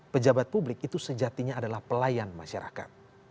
pejabat publik itu sejatinya adalah pelayan masyarakat